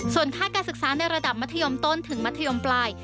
ส่วนค่าการศึกษาในระดับมัธยมต้นถึงมัธยมปลาย